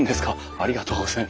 ありがとうございます。